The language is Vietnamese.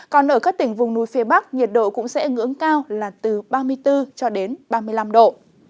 còn ở các tỉnh vùng núi phía bắc nhiệt độ cũng sẽ ở ngưỡng cao là từ ba mươi bốn cho đến ba mươi năm độ